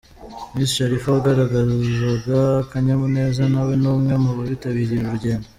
Miss Sharifa wagaragazaga akanyamuneza, nawe ni umwe mu bitabiriye uru rugendo.